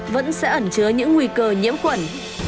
vẫn sẽ ẩn trứa những nguy cơ nhiễm khuẩn